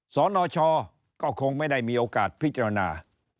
สนชก็คงไม่ได้มีโอกาสพิจารณา